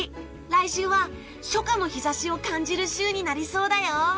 来週は初夏の日差しを感じる週になりそうだよ。